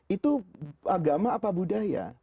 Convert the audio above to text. itu agama apa budaya